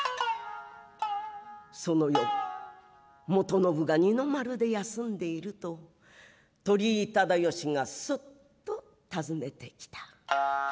其の夜元信が二の丸で休んでいると鳥居忠吉がそっと訪ねてきた。